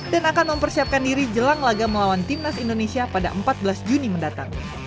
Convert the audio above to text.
dan akan mempersiapkan diri jelang laga melawan timnas indonesia pada empat belas juni mendatang